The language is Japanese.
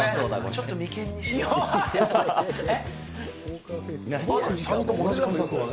ちょっと眉間にしわが。え？